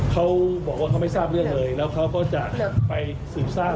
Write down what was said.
เขาบอกว่าเขาไม่ทราบเรื่องเลยแล้วเขาก็จะไปสืบทราบ